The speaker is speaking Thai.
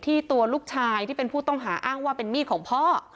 ตัวลูกชายที่เป็นผู้ต้องหาอ้างว่าเป็นมีดของพ่อ